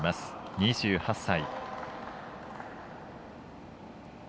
２８歳。